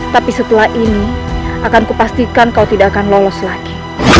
tapi setelah ini akan kupastikan kau tidak akan lolos lagi